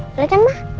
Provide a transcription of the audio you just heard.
boleh kan mak